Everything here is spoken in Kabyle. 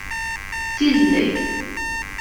Sizdeg.